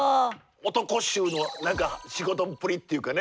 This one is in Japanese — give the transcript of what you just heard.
男衆の何か仕事っぷりっていうかね。